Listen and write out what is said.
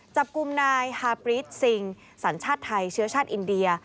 จับกลุ่มนายฮาปรีสซิงสัญชาติไทยเชื้อชาติอินเดีย